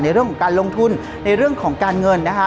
ในเรื่องของการลงทุนในเรื่องของการเงินนะคะ